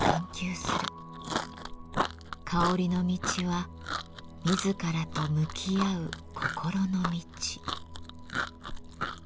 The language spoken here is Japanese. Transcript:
香りの道は自らと向き合う心の道。